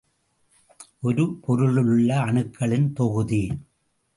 ஒரு பொருளிலுள்ள அணுக்களின் தொகுதி.